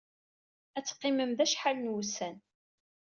Ad teqqimem da acḥal n wussan.